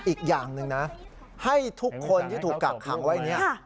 อีกอย่างหนึ่งนะให้ทุกคนที่ถูกกักขังไว้เนี่ย